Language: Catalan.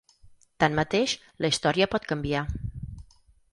Tanmateix, la història pot canviar.